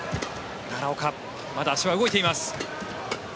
奈良岡、まだ足は動いています。